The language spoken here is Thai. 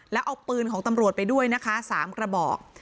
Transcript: แล้วเอาปืนของตำรวจไปด้วยนะคะ๓กระบอก